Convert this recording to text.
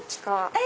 え！